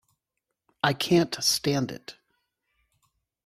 I can't stand it.